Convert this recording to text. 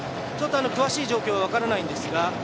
詳しい状況は分からないんですが。